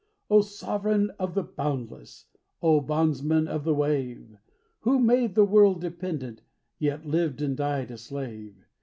O Sovereign of the Boundless! O Bondsman of the Wave! Who made the world dependent, yet lived and died a slave.